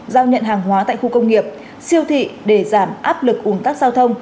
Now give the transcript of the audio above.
giao nhận hàng hóa tại khu công nghiệp siêu thị để giảm áp lực ủng tắc giao thông